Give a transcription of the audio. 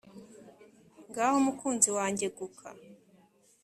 ngaho mukunzi wanjye eguka